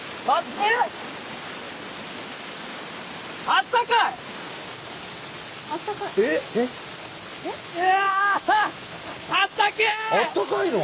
あったかいの？